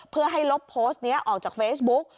เพื่อให้ลบโพสต์นี้ออกจากเฟซบุ๊ก